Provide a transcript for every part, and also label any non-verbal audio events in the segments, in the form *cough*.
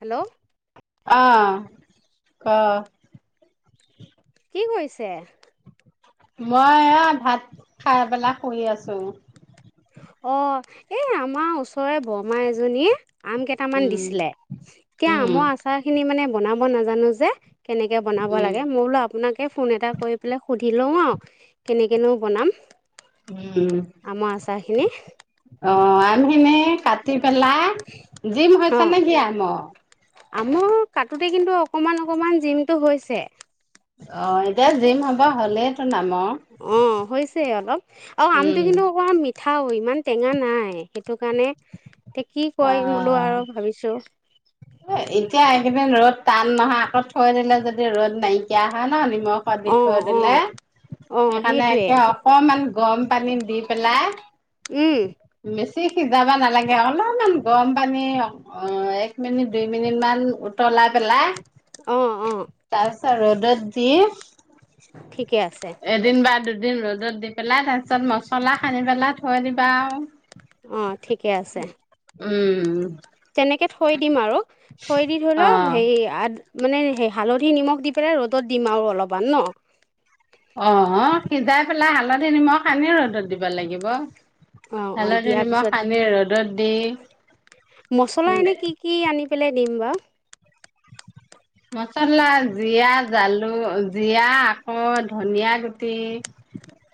Hello. অহ ক। কি কৰিছে?? মই এয়া ভাত খাই পেলাই শুই আছো। অ', এ আমাৰ ওচৰৰে বৰমা এজনীয়ে আম কেইটামান উম দিছিলে। এতিয়া উম আমৰ আচাৰ খিনি মানে বনাব নাজানো যে। কেনেকে বনাব উম লাগে মই বোলো আপোনাক তাকে ফোন এটা কৰি পেলাই সুধি লওঁ আৰু কেনেকেনো বনাম। উম। এনেই। এনে কাটি পেলাই জিম হৈছে নে জীয়ান? অ। আমুৰ কাটোতে কিন্তু অকমান অকমান জিমটো হৈছে। অ এতিয়া জিম হ'ব হ'লেই। অ' হৈছে অলপ। আৰু উম আমটো কিন্তু অকমান মি খাও ইমান টেঙা নাই সেইটো কাৰণে। এ কি অ কয় বোলো আৰু ভাবিছোঁ। এতিয়া এইকেদিন ৰ'দ টান নহয় আকৌ থৈ দিলে যদি ৰ'দ নাইকীয়া হয় ন নে নিমখত দি থৈ অ' দিলে। অ' অ' সেইকাৰণে সেইটোৱে একে অকমান গৰম পানী দি পেলাই উম মে সিজাব নালাগে অলপমান গৰম পানী এক মিনিট দুই মিনিট মান উতলাই পেলাই অ' অ'। তাছ ৰদত দি ঠিকে আছে এদিন বা দু দুদিন ৰ'দত দি পেলাই তাৰ পিছত মছলা সানি পেলাই থৈ দিবা আৰু। অ ঠিকে আছে। উম। *inaudible* তেনেকে থৈ দিম আৰু থৈ দি ধৰি লওক অ' হেৰি আ মানে সেই হালধি-নিমখ দি পেলাই ৰ'দত দিম আৰু অলপমান ন? অ'অ। সিজাই পেলাই হালধি-নিমখ সানি ৰ'দত দিব লাগিব। অ' অ' হালধি দিয়াৰ নিমখ পিছত সানি ৰ'দত দি মচলা এনে কি কি আনি পেলাই দিম বাৰ মচলা জৰা জালু জিৰা আকৌ ধনিয়া গুটি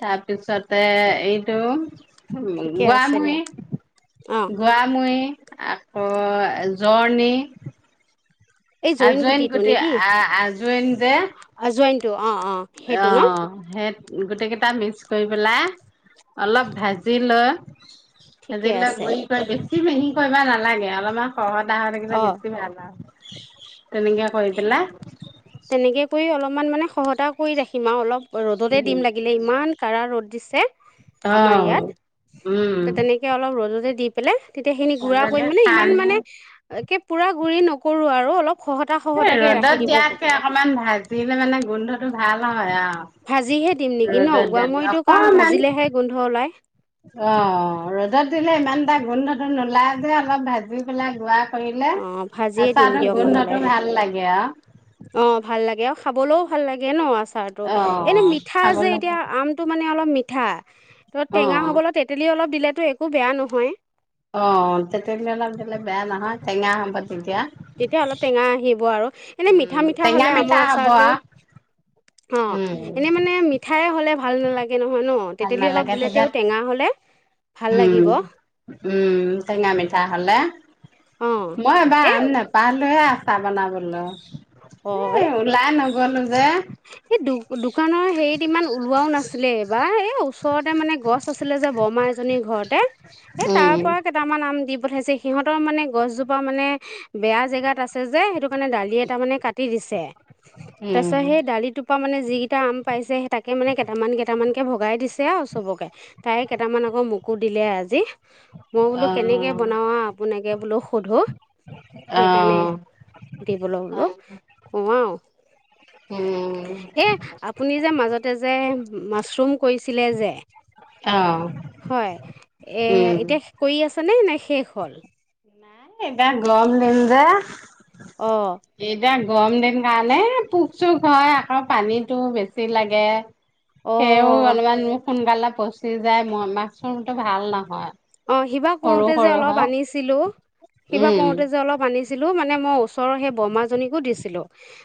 তাৰপিছতে এইটো ঠিকে আছে গোৱামহি দিয়া অঁ গোৱামহি আকৌ জৰ্ণ এই জইন আজুৱন গুটিটো গোটেই নেকি আ আজুৱইন যে, অ' অ' সেইটো ন গোটেইকেইটা মিক্স কৰি পেলাই অলপ ভাজি লৈ ঠিকে দেল আছে কৰি ক বেছি ন! কৰিবা নালাগে অলপমান, শহতাহ থাকিলে অঁ বেছি ভাল আৰু তেনেকে, কৈ পেলা অকণমান মানে সহজা কৰি ৰাখিম আৰু অলপ, ৰ'দতে দিম উম লাগিলে ইমান কাৰা ৰ'দ দিছে, অ আমাৰ ইয়াত উম ত তেনেকে অলপ ৰ'জতে, দি পেলাই, তেতিয়া খিনি ঘুৰা কৰি তেনেকে মানে খাই ইমান নি মানে, একে পুৰা গুৰি নকৰো আৰু অলপ সহজ ৰ'দত দিয়াকে অকমান ভাজিলে মানে গোন্ধটো, ভাল হয়। আৰু ভাজিহে দিম নেকি ন ৰ'দত দিয়াতকে গোৱামৰিটো কাৰণ অকমান ভাজিলেহে গোন্ধ ওলাই। অ ৰ'দত দিলে ইমান এটা গোন্ধটো নোলায় যে অলপ ভাজি পেলাই গোৱা অ' ভাজিয়ে দিম দিয়ক নহলে ভাল লাগে আও অ ভাল লাগে আৰু খাবলৈও ভাল লাগে ন! আ টো অ এনে মিঠা যে খাবলৈ এতিয়া আমটো মানে অলপ মিঠ ঠা ত অ টেঙা হ'বলৈ তেতেলি অলপ দিলে টো একো বেয়া নহয়। অ' তেতেলি অলপ দিললে বেয়া নহয় টেঙা হ তেতিয়া অলপ টেঙা আহিব আৰু এনে উম মিঠা মিঠা টেঙা হলে আমৰ হ'ব আচাৰত আও অ উম এনে মানে মিঠাই হলে, ভাল নালাগে। নহয় ন ভাল তেতেলী অলপ নালাগে, দিলে তেতিয়া তেওঁ টেঙা হ'লে ভাল উম! লাগিব উম! টেঙা মিঠা হলে অ মই এবাৰ এই আম ন পালোঁহে আচাৰ বনাবলৈ এ হয় ওলাই নগলো যে এই দু দোকানৰ হেৰিত ইমান ওলোৱাও নাছিলে এইবাৰ এই *unintelligible* ওচৰতে মানে গছ আছিলে যে বৰমা এজনীৰ ঘৰতে এ উম তাৰ পৰা কেইটামান আম দিম পঠাইছে সিহঁতৰ মানে গছজোপা মানে বেয়া জেগাত আছে যে, সেইটো কাৰণে দালি এটা মানে কাট কাটি দিছে তাৰ উম পিছত সেই দালিটো পৰা মানে যিকিটা আম পাইছে তাকে মানে কেইটামান কেইটামান কে ভগাই দিছে আৰু চবকে তাই কেইটামান আকৌ মোকো দিলে আজি মই বোলো অ কেনেকে বনোৱা আপোনাকে বোলো সোধো অ সেইকাৰণে সুধিবলৈ অ বোলো উম নোৱাৰোঁ এ আপুনি যে মাজতে যে মাছৰুম কৰিছিলে যে অ', হয় এ উম। এতিয়া কৰি আ নাই নাই শেষ হ'ল এতিয়া গৰম দিন যে অঁ *unintelligible* গৰম দিন কাৰণে পোক চোক হয় আকৌ পানীটো বেছি লাগে সেও অঁ অলপমান মোৰ সোনকালে কৈছোঁ চি যাই মই মাচৰুম টো ভাল নহয় অ সিবা সৰু কৰোতে যে সৰু অলপ হয় আনিছিলো সিবা উম কৰোতে যে অলপ আনিছিল ছিলো মানে মই ওচৰৰ হে বৰমা আনিব দিছিলো,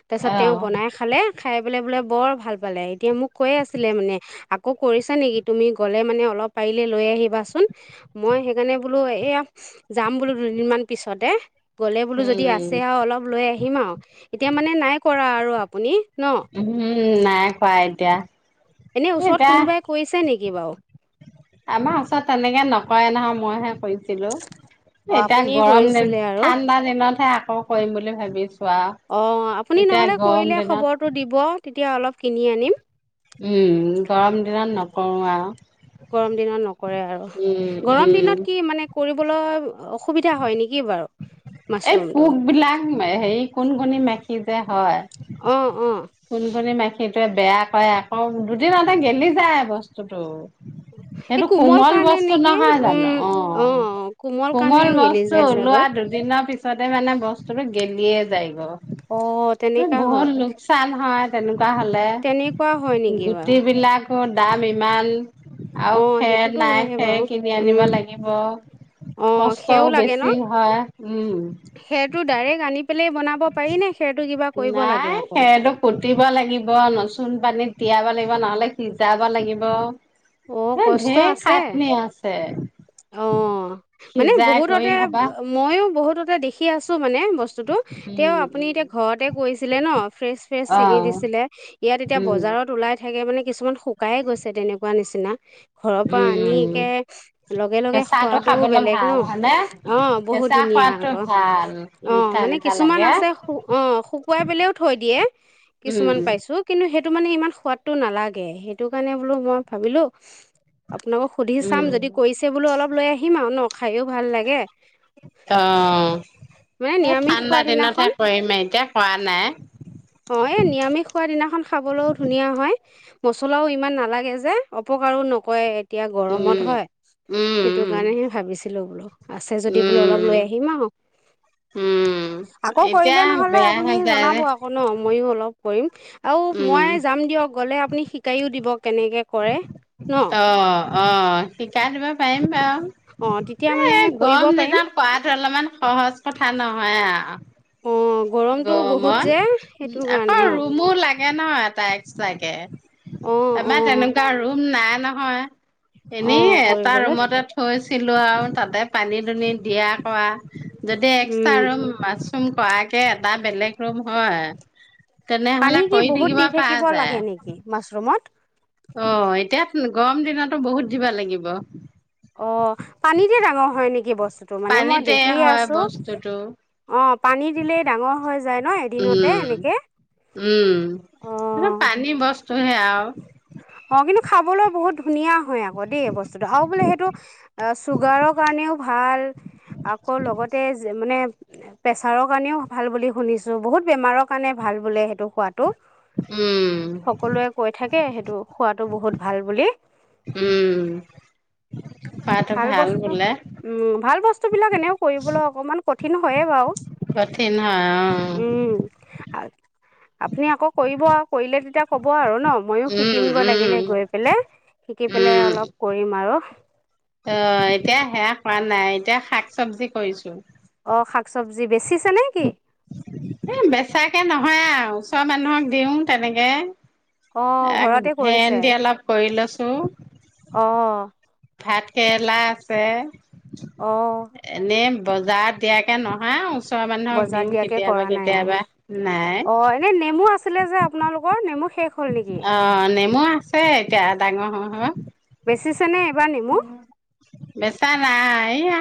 তাৰ পিছত তেওঁ অ', বনাই খালে খাই পেলাই বোলে বৰ ভাল পালে, এতিয়া মোক কৈ আছিলে মানে আকৌ কৰিছা নেকি তুমি গ'লে মানে অলপ পাৰিলে লৈ আহিবাচোন মই সেইকাৰণে বোলো এয়া যাম বোলো দুদিন মান পিছতে গ'লে বোলো যদি উম। আছে আৰু অলপ লৈ আহি হিমা এতিয়া মানে নাই কৰা আৰু আপুনি ন উম উম নাই কোৱা এনেই ওচৰত এতিয়া কোনোবাই কৰিছে নেকি বাৰু আমাৰ ওচৰত তেনেকে নকৰে নহয় মইহে কৰিছিলো অঁ এতিয়া আপুনিয়ে গৰম দিন কৰিছিলে আৰু ঠাণ্ডা দিনতহে আকৌ কৰিম বুলি ভাবিছো আৰু অ আপুনি এতিয়া নহলে গৰম কৰিলে দিনত খবৰটো দিব, তেতিয়া অলপ কিনি আনিম। উম, গৰম দিনত নকৰো আৰু। গৰম দিনত নক কৰে আৰু। উম, গৰম উম, দিনত কি মানে কৰিবলৈ অসুবিধা হয় নেকি বাৰু এই মাছৰুমটো পোক বিলাক, হেৰি কন কনি মাখি যে হয় অঁ অঁ কোন কনে মাখি সেইটোৱে বেয়া কৰে, আকৌ দুদিনতে গেলি যায় বস্তুটো এই সেইটো কোমল কাৰণে বস্তু নেকি নহয় জানো? অ, অঁ কাৰণে কোমল গেলি বস্তু যায় ওলোৱা চাগৈ দুদিনৰ পিছত পিছতে মানে বস্তুটো গেলিয়ে যায় গ অ, তেনেকা হয়। অ, তেনে কিবা হলে তেনেকুৱা হয় নেকি গুটি বাৰু বিলাকত দাম ইমান আৰু অঁ খেৰ সেইটোতো নাই। হয়হে খেৰ বাৰু কিনি আনিব লাগিব। অঁ কষ্টও সেও লাগে ন বেছি হয়। উম খেৰটো ডাইৰেক্ট আনি পেলাই বনাব পাৰি নে খেৰটো কিবা কৰিব লাগে নাই আকৌ সেইটো পুতিব লাগিব, নচুন পানীত তিতিয়াব লাগিব নহ'লে, সিজাব লাগিব অঁ এ কষ্ট ঢেৰ আছে খাটনি আছে অ, মানে সিজাই কৰি বহুততে হবা মইয়ো বহুততে দেখি কি আছো কি মানে বস্তুটো তে উম আপুনি উম এতিয়া ঘৰতে কৰিছে। ছিলে ন চি ফ্ৰেচ ফ্ৰেচ অ চিঙি দিছিলে ইয়াত এতিয়া উম বজাৰত ওলাই থাকে মানে কিছুমান শুকায়ে গৈছে তেনেকুৱা নিচিনা। ঘৰৰ পৰা আনি উম একে লগে-লগে কেঁচাটো খোৱাটোও খাবলৈ বেলেগ ন? ভাল হয়নে অ, বহুত কেঁচা ধুনীয়া খোৱাটো আকৌ। ভাল অ মিঠা মানে মিঠা কিছুমান লাগে আছে অ শুকুৱাই পেলাইও থৈ দিয়ে, উম কিছুমান পাইছো কিন্তু সেইটো মানে ইমান সোৱাদটো নালাগে সেইটো কাৰণে বোলো মই ভাবিলো আপোনালোকক সুধি চাম, উম যদি পিছে বোলো অলপ লৈ আহিম আৰু ন? খাই য়ো ভাল লাগে অ মানে স নিৰামিষ ঠাণ্ডা খোৱাৰ দিনাখন দিনতহে কৰিম এতিয়া হোৱা নাই অ এই নিৰামিষ খোৱা দিনাখন খাবলৈও ধুনীয়া হয়। মছলাও ইমান নালাগে যে, অপকাৰো নকৰে। এতিয়া গৰমত উম হয়, সেইটো উম কাৰণেহে ভাবিছিলোঁ বোলো। আছে যদি বোলো উম অলপ উম লৈ আহিম আৰু উম, আকৌ এতিয়া কৰিলে নহলে বেয়া আপুনি হৈ যায় জনাব যে। আকৌ ন ময়ো অলপ কৰিম আৰু উম, মই যাম দিয়ক গ'লে আপুনি শিকাইও দিবক। কেনেকৈ কৰে ন অ', অ শিকাই দিব পাৰিম'। অঁ তেতিয়া মানে এ কৰিব গৰম পাৰিম নিধন কৰাটোো অলপমান সহজ কথা নহয় অঁ আৰু। গৰমটো বহুত যে গৰমত সেইটো কাৰণে আকৌ অঁ ৰুমো লাগে ন তাই লাগে'। অঁ আমাৰ অঁ তেনেকুৱা ৰুম নাই'। নহয়। অ এনেই এটা কৰিবলৈ ৰুমতে থৈছে। ছিলো আৰু তাতে পানী দুনি দিয়া কৰা। যদি এক্সট্ৰা উম আৰু মাছৰুম কৰা *unintelligible* এ এটা বেলেগ ৰুম হয়, পানী তেনেহলে কি কৰি থাকিব প যায়। সমঠ *unintelligible* অ, এতিয়া গৰম দিনতো বহুত দিবা লাগিব। অ পানীতে ডাঙৰ হয় নেকি বস্তু? তো মানে মই পানীতে দেখিয়ে হয় আছো বস্তুটো অ পানী দিলেই ডাঙৰ হয়'। উম অ উম পানী বস্ত উহে আৰু *inaudible* অ কিন্তু খাবলৈ বহুত'। ধুনীয়া হয় আকৌ দেই বস্তুটো আৰু বোলে সেইটো চুগাৰৰ কাৰণেও ভাল আকৌ লগতে যে মানে প্ৰেছাৰৰ কাৰণেও ভাল বুলি শুনিছো বহুত বেমাৰৰ কাৰণে ভাল বোলে সেইটো সোৱাদ,। উম সকলোৱে কৈ থাকে স াতো বহুত ভাল বুলি *unintelligible* উম,। খোৱাটো ভাল বসছো বোলে উম ভাল বস বিলাক এনেও কৰিবলৈ অকণমান ক'। কঠিন হয়ে বাৰু,। কঠিন হা অ'। ভাল আপুনি আকৌ কৰিব আৰু কৰিলে তেতিয়া ক'ব আৰু ন ময়ো অ উম শিকিম গৈ উম লাগিলে গৈ পেলাই শিকি পেলাই উম অলপ কৰিম আৰু অ, এতিয়া সেয়া কৰা নাই এতিয়া শাক চবজি কৰিছো। অ, শাক চবজি বেছি এ বেচাকে নহয় আৰু *unintelligible* মানুহক দিওঁ তেনেকে। অঁ *unintelligible* ঘৰতে কৰিছে ভেন্দি অলপ কৰি লৈছো। অঁ ভাত-কেৰেলা আছে। অ। এনে বজাৰত দিয়াকে নহয় ও বজাৰ দিয়াকে কৰা নাই আৰু। নাই অ, এনে নেমু আছে আছিলে যে আপোনালোকৰ নেমু শেষ হ'ল নেকি অ, নে মোৰ আছে এতিয়া ডাঙৰ হৈ হৈ। *unintelligible* নেমু উম, বেচা নাই। এইয়া,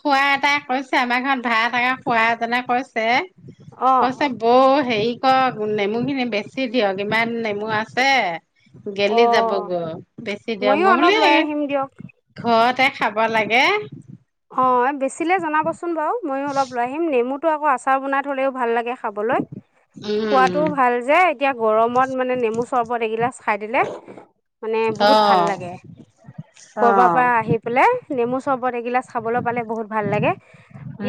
খোৱা এটাই কৈছে আমাৰ ঘৰত ভাত *unintelligible* খোৱা এজনে কৈছে। অঁ *unintelligible* বৌ হেৰি *unintelligible* নেমু খিনি বেছি দিয়ক ইমান নেমু আছে। গেলি যাব অঁ গৈ, বেছি ময়ো অলপ লৈ আহিম দিয়ক *unintelligible* ঘৰতে খাব লাগে। অ, বেছিলে জনাবচোন *unintelligible* বাৰু ময়ো অলপ লৈ আহিম নেমু *unintelligible* আকৌ আচাৰ বনাই থ'লেও ভাল লাগে খাবলৈ। উম খোৱাতটোও ভাল যে এতিয়া গৰমত মানে নেমু চৰ্বত এগিলাচ খাই দিলে, মানে অ বহুত ভাল লাগে। অ কৰবাৰ পৰা আহি পেলাই নেমু চৰ্বত এগিলাচ খাবলৈ পালে বহুত ভাল লাগে,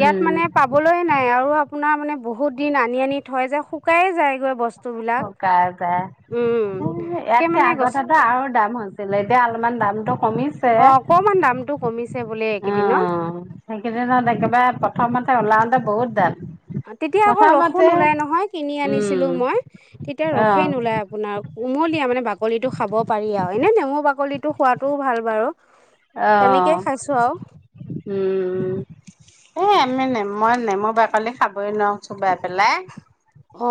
ইয়াত মানে পাবলৈয় নাই আৰু আপোনাৰ মানে বহুত দিন আনি আনি থৈ যায় শুকাই এ যায়গৈ বস্তু শুকাই যায়। এ সেই ইয়াতকে মানে গছ আগতেতো আৰু দাম হৈছ *unintelligible* অলপমান দামটো কমিছে অ, অকমান দামতটো কমিছে বোলে অ, এইকেইদিনত সেইকেইদিনত একেবাৰে প্ৰথমতে ওলাওতে বহুত ডাঠ। তেতিয়া আকৌ ৰসো নোলায় নহয় কিনি উম আনিছিলোঁ মই, তেতিয়া অ ৰসেই নোলাই আপোনাৰ কুমলীয়া মানে বাকলিটো খাব পাৰি আৰু এনে নেমু বাকলিটো খোৱাটোও ভাল বাৰু। অহ তেনেকেই খাইছোঁ আৰু উম! এ এমেনে নেমু বাকলি খাবই নোৱাৰো চোবাই পেলাই। অ।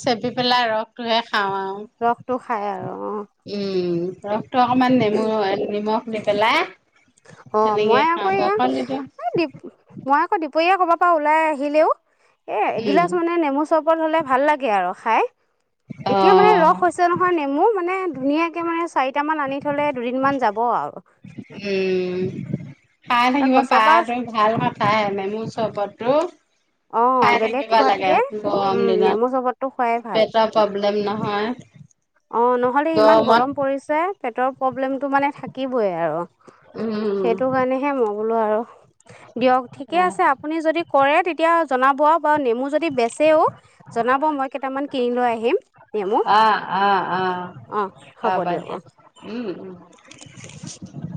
চেপি পেলাই ৰসটোহে খাওঁ আৰু ৰসটো খাই আৰু। অঁ উম। অ' টো অকমান নেমু নিমখ দি পেলাই অঁ তেনেকে মই আকৌ খাওঁ এয়া *unintelligible* দুপৰিয়ে কবা পৰা ওলাই আহিলেও এ উম এগিলাচ মানে নেমু চব *unintelligible* হ'লে ভাল লাগে আৰু খাই। অ এতিয়া মানে ৰস হৈছে নহয় নেমু মানে ধুনীয়াকে মানে চাৰিটান আনি থ থলে দুদিনমান যাব আৰু। উম খাই তাক থাকিব গছৰ পৰা পাৰাটো ভাল কথাই নেমু চৰবতটো। অ খাই বেলেগ থাকিব লাগে খোৱাতকে গৰম উম নেমু দিনত চবতটো খোৱাই ভাল। পেটৰ প্ৰব্লেম নহয়। অ' নহলে ইমান গৰম গৰমত পৰিছে। পেটৰ প্ৰব্লেমটো মানে থাকিবই আৰু। উম সেইটো কাৰণেহে মোক বোলো আৰু দিয়ক ঠিকে অ আছে আপুনি যদি কৰে তেতিয়া জনাব। বাৰু নেমু যদি বেচেও জনাব মই কেইটামান কিনি লৈ আহিম নেমু। অ অ অ' অঁ হ'ব দিয়ক অঁ দিয়া। উম উম